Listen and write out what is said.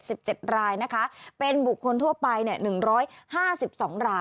สิบเจ็ดรายนะคะเป็นบุคคลทั่วไปเนี่ยหนึ่งร้อยห้าสิบสองราย